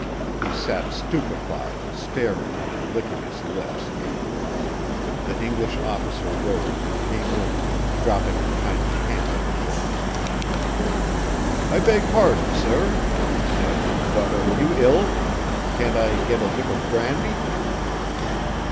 He sat stupefied staring and licking his lips. The English officer rose and came over, dropping a kindly hand on his shoulder. "I beg pardon, sir," he said, "but are you ill? Can't I get a nip of brandy?"